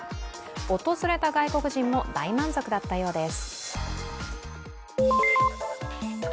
訪れた外国人も大満足だったようです。